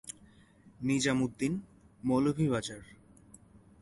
Nizam Uddin, Moulvibazar.